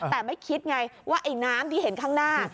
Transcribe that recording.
แต่ไม่คิดไงว่าไอ้น้ำที่เห็นข้างหน้า